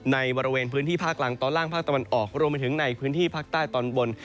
ในบริเวณพื้นที่ภาคกลางตอนล่างภาคตะวันออกรวมไปถึงในพื้นที่ภาคใต้ตอนบน